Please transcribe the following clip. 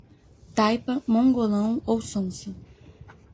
Taipa, mongolão ou sonsa